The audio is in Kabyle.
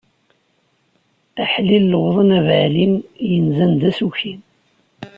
Aḥlil lewḍen abaɛli, yenzan d asuki!